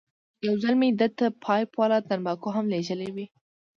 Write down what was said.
یو ځل مې ده ته پایپ والا تنباکو هم لېږلې وې.